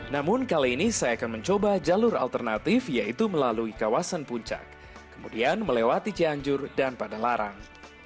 namun kali ini saya akan mencoba jalur alternatif yaitu melalui kawasan puncak kemudian melewati cianjur dan padalarang